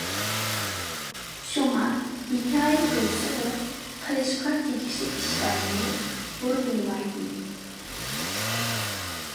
شۇڭا ھېكايە بولسىمۇ قىلىشقا تېگىشلىك ئىشلارنى بۇرمىلىمايلى.